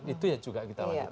itu ya juga kita lakukan